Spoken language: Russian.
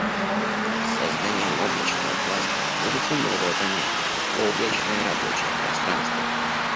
С созданием облачного кластера вводится новое понятие: «Облачное рабочее пространство»